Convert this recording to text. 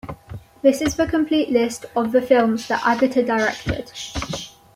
This is the complete list of the films that Agata directed.